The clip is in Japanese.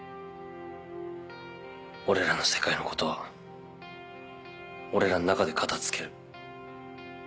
俺らの世界のことは俺らの中で片付ける。